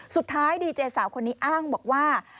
สุดท้ายดีเจสาวคนนี้อ้างบอกว่า